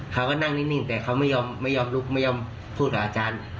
เขาก็นั่งนิดแต่เขาไม่ยอมพูดกับอาจารย์